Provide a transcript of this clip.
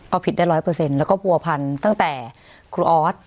เอาผิดได้ร้อยเปอร์เซ็นต์แล้วก็ผัวพันตั้งแต่ครูออส